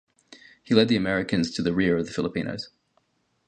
He led the Americans to the rear of the Filipinos.